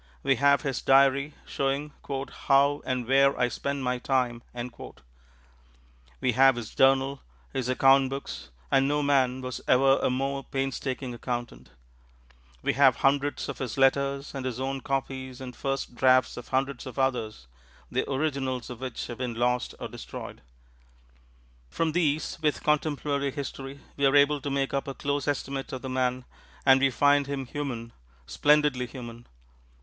We have his diary showing "how and where I spent my time"; we have his journal, his account books (and no man was ever a more painstaking accountant); we have hundreds of his letters, and his own copies and first drafts of hundreds of others, the originals of which have been lost or destroyed. From these, with contemporary history, we are able to make up a close estimate of the man; and we find him human splendidly human.